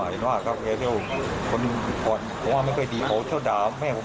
เห็นว่าครับแค่เที่ยวคนผมว่าไม่เคยดีโหเที่ยวด่าแม่ผม